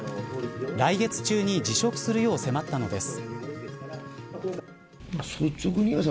来月中に辞職するよう迫ったのです。